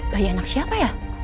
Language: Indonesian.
bayi anak siapa ya